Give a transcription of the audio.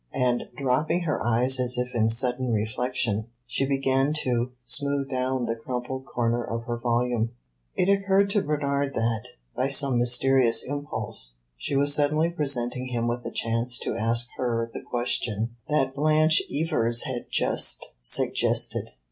And dropping her eyes as if in sudden reflection, she began to smooth down the crumpled corner of her volume. It occurred to Bernard that by some mysterious impulse she was suddenly presenting him with a chance to ask her the question that Blanche Evers had just suggested.